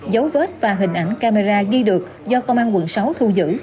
dấu vết và hình ảnh camera ghi được do công an quận sáu thu giữ